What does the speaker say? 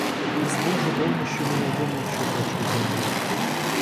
И с божьей помощью мы найдем общую почву для мира.